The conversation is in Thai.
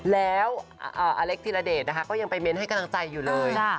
อเล็กฑิราคมันชมอยู่เลยนะ